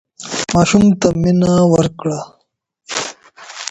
ماشوم ته مينه ورکړه